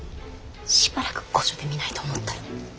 しばらく御所で見ないと思ったら。